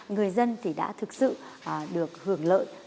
người dân thì đã thực sự được hưởng lợi